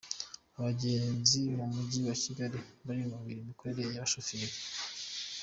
Abagenzi bo mu mujyi wa Kigali barinubira imikorere y’abashoferi